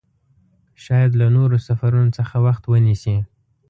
شاید له نورو سفرونو څخه وخت ونیسي.